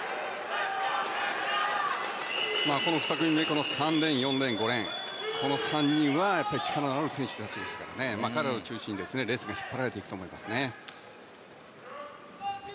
この２組目、３レーン４レーン、５レーンのその３人は力のある選手ですので彼らを中心にレースが引っ張られていくと思いますね。